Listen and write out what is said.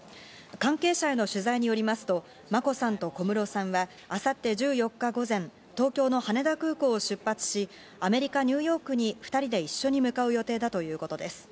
関係者への取材によりますと、眞子さんと小室さんは明後日１４日午前、東京の羽田空港を出発しアメリカ・ニューヨークに２人で一緒に向かう予定だということです。